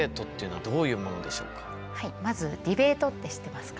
はいまずディベートって知ってますか？